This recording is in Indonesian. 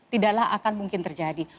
tidaklah akan mungkin terjadi